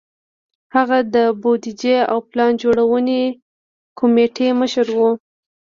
هغه د بودیجې او پلان جوړونې کمېټې مشر و.